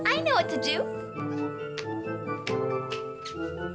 ah kayaknya aku harus cari ide biar habis makan gratis